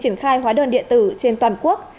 triển khai hóa đơn điện tử trên toàn quốc